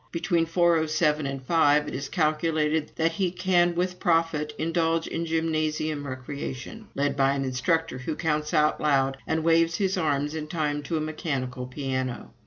Between 4.07 and five it is calculated that he can with profit indulge in gymnasium recreation, led by an instructor who counts out loud and waves his arms in time to a mechanical piano.